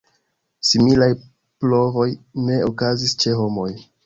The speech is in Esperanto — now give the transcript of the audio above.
Similaj provoj ne okazis ĉe homoj.